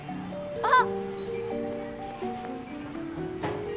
あっ！